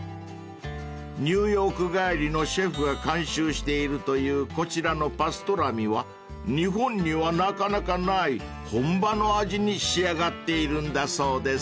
［ニューヨーク帰りのシェフが監修しているというこちらのパストラミは日本にはなかなかない本場の味に仕上がっているんだそうです］